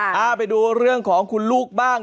พาไปดูเรื่องของคุณลูกบ้าง